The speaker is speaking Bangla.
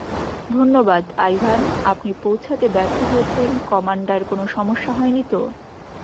ধন্যবাদ, আইভান - আপনি পৌঁছাতে ব্যর্থ হয়েছেন-- কমান্ডার, কোনো সমস্যা হয়নি তো?